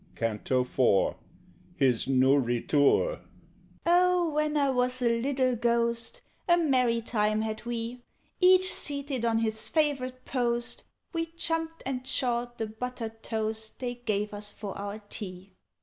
CANTO IV. Hys Nouryture. "Oh, when I was a little Ghost, A merry time had we! Each seated on his favourite post, We chumped and chawed the buttered toast They gave us for our tea."